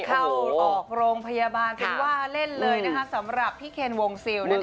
เข้าออกโรงพยาบาลเป็นว่าเล่นเลยนะคะสำหรับพี่เคนวงซิลนั่นเอง